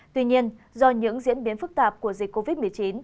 tuy nhiên do những diễn biến phức tạp của dịch covid một mươi chín